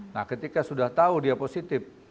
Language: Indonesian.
nah ketika sudah tahu dia positif